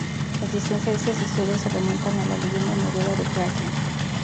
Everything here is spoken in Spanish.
La existencia de estas historias se remontan a la leyenda noruega del kraken.